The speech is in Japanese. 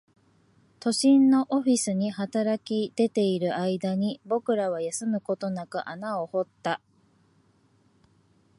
都心のオフィスに働き出ている間に、僕らは休むことなく穴を掘った